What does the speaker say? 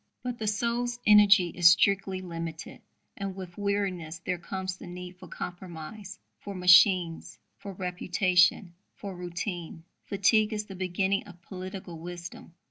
But the soul's energy is strictly limited; and with weariness there comes the need for compromise, for 'machines,' for reputation, for routine. Fatigue is the beginning of political wisdom."